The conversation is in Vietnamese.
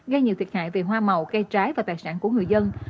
gây nhiều thiệt hại về hoa màu cây trái và tài sản của người dân